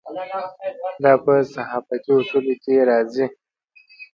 دا په صحافتي اصولو کې راځي.